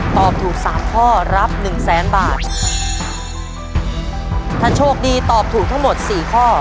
ตอบถูกสามข้อรับหนึ่งแสนบาทถ้าโชคดีตอบถูกทั้งหมดสี่ข้อ